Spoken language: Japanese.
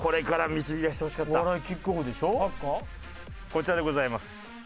こちらでございます。